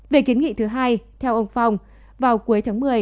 về kiến nghị thứ hai theo ông phong vào cuối tháng một mươi